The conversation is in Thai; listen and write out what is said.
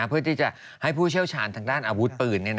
เพื่อที่จะให้ผู้เชี่ยวชาญทางด้านอาวุธปืน